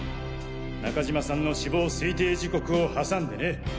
中島さんの死亡推定時刻を挟んでね。